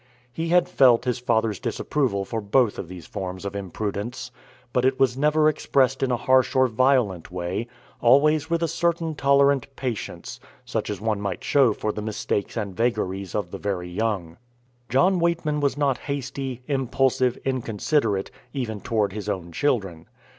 He had felt his father's disapproval for both of these forms of imprudence; but is was never expressed in a harsh or violent way, always with a certain tolerant patience, such as one might show for the mistakes and vagaries of the very young. John Weightman was not hasty, impulsive, inconsiderate, even toward his own children.